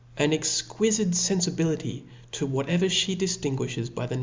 An exquifitc fenfibility to whatever (he diftin guifhes by the